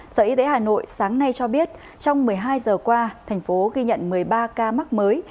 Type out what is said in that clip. sở y tế hà nội sáng nay cho biết trong một mươi hai giờ qua thành phố ghi nhận một mươi ba ca mắc mới